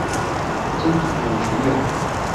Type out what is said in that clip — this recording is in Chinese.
曾祖父陈友。